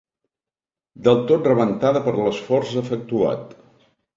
Del tot rebentada per l'esforç efectuat.